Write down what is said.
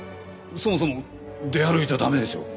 そもそも出歩いちゃ駄目でしょ。